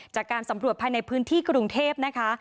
จากการสำรวจภายในพื้นที่กรุงเทพนะคะ